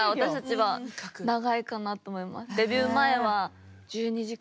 はい。